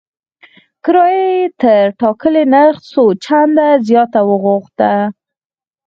کرایه یې تر ټاکلي نرخ څو چنده زیاته وغوښته.